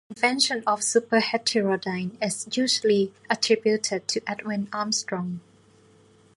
The invention of superheterodyne is usually attributed to Edwin Armstrong.